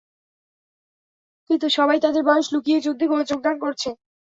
কিন্তু, সবাই তাদের বয়স লুকিয়ে যুদ্ধে যোগদান করছে!